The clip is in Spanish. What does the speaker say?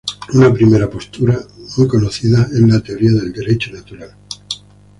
Una primera postura, muy conocida, es la teoría del Derecho Natural.